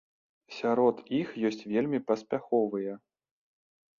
Сярод іх ёсць вельмі паспяховыя.